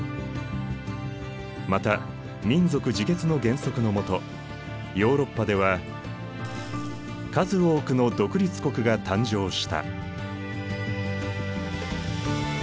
また民族自決の原則のもとヨーロッパでは数多くの独立国が誕生した。